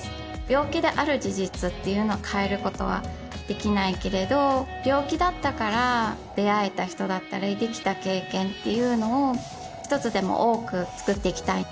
病気である事実っていうのを変えることはできないけれど病気だったから出会えた人だったりできた経験っていうのを一つでも多く作っていきたい